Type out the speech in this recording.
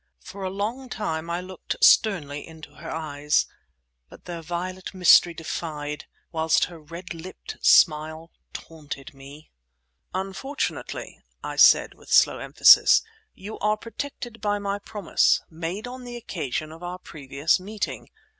For a long time I looked sternly into her eyes; but their violet mystery defied, whilst her red lipped smile taunted me. "Unfortunately," I said, with slow emphasis, "you are protected by my promise, made on the occasion of our previous meeting.